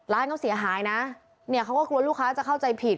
ร้านเขาเสียหายนะเนี่ยเขาก็กลัวลูกค้าจะเข้าใจผิด